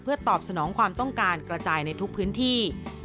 ตอบสนองความต้องการกระจายในทุกพื้นที่